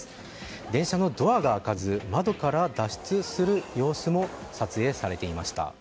電車のドアが開かず窓から脱出する様子も撮影されていました。